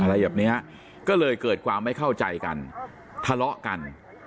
อะไรแบบนี้ก็เลยเกิดความไม่เข้าใจกันทะเลาะกัน